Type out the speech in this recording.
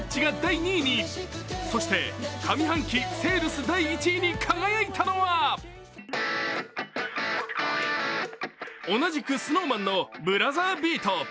そして上半期セールス第１位に輝いたのは同じくＳｎｏｗＭａｎの「ブラザービート」。